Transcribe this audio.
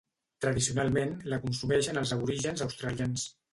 Tradicionalment la consumeixen els aborígens australians.